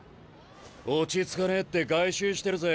落ち着かねえって外周してるぜ。